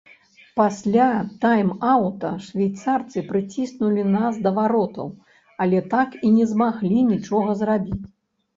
Пасля тайм-аўта швейцарцы прыціснулі нас да варотаў, але так і не змаглі нічога зрабіць.